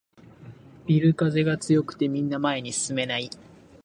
ビル風が強くてみんな前に進めない